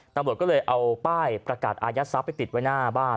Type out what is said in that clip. ตำรวจก็เลยเอาป้ายประกาศอายัดทรัพย์ไปติดไว้หน้าบ้าน